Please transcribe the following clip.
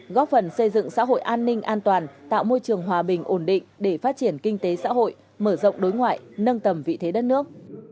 góp phần xây dựng xã hội an ninh an toàn tạo môi trường hòa bình ổn định để phát triển kinh tế xã hội mở rộng đối ngoại nâng tầm vị thế đất nước